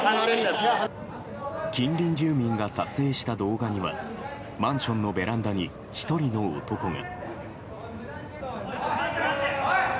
近隣住民が撮影した動画にはマンションのベランダに１人の男が。